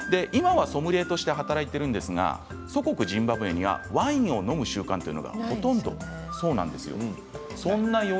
今はソムリエとして働いているんですが祖国ジンバブエではワインを飲む習慣がほとんどなかったんです。